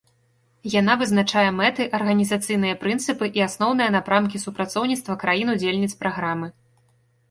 Яна вызначае мэты, арганізацыйныя прынцыпы і асноўныя напрамкі супрацоўніцтва краін удзельніц праграмы.